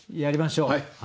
やりましょう。